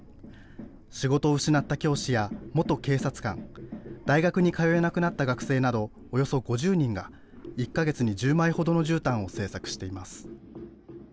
仕事を失った教師や元警察官、大学に通えなくなった学生などおよそ５０人が１か月に１０枚ほどのじゅうたんを製作しています。